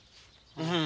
うん。